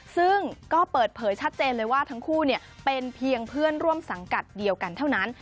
ซึ่งก็เปิดเผยชัดเจนเลยว่าทั้งคู่เป็นเพียงเพื่อนร่วมสังกัดเดียวกันเท่านั้น